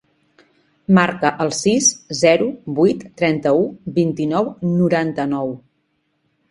Marca el sis, zero, vuit, trenta-u, vint-i-nou, noranta-nou.